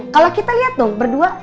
kalo kita liat dong berdua